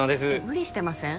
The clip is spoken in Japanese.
無理してません？